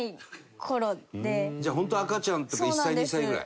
じゃあホント赤ちゃんとか１歳２歳ぐらい？